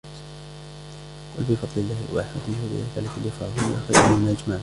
قُلْ بِفَضْلِ اللَّهِ وَبِرَحْمَتِهِ فَبِذَلِكَ فَلْيَفْرَحُوا هُوَ خَيْرٌ مِمَّا يَجْمَعُونَ